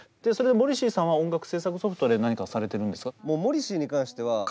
モリシーさんは音楽制作ソフトで何かされてるんですか？